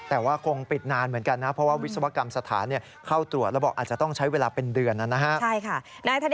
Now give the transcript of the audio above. แต่ว่าคงปิดนานเหมือนกันนะเพราะว่าวิศวกรรมสถานเข้าตรวจแล้วบอกอาจจะต้องใช้เวลาเป็นเดือนนะครับ